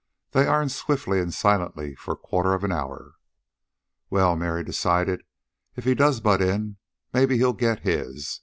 They ironed swiftly and silently for a quarter of an hour. "Well," Mary decided, "if he does butt in maybe he'll get his.